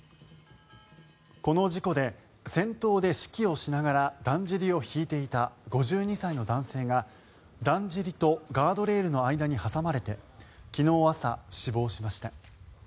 この事故で先頭で指揮をしながらだんじりを引いていた５２歳の男性が、だんじりとガードレールの間に挟まれて昨日朝、死亡しました。